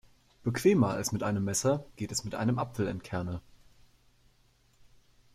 Bequemer als mit einem Messer geht es mit einem Apfelentkerner.